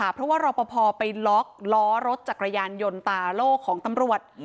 เพราะว่ารอปภไปล็อกล้อรถจักรยานยนต์ตาโล่ของตำรวจ